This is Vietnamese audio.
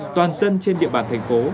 toàn dân trên địa bàn thành phố